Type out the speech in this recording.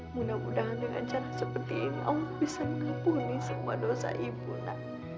mudah mudahan dengan cara seperti ini allah bisa mengampuni semua dosa ibunda